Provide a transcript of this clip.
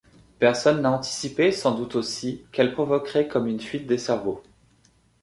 Personne n'a anticipé, sans doute aussi, qu'elle provoquerait comme une fuite des cerveaux.